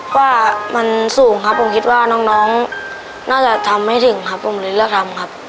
ว่ามันสูงครับผมคิดว่าน้องน่าจะทำไม่ถึงครับผมเลยเลือกทำครับ